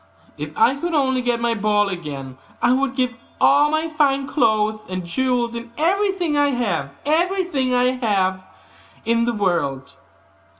if I could only get my ball again, I would give all my fine clothes and jewels, and everything that I have in the world.